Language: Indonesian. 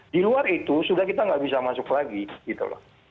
di luar itu sudah kita nggak bisa masuk lagi gitu loh